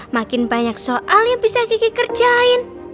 makin banyak soal yang bisa kiki kerjain